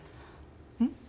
うん？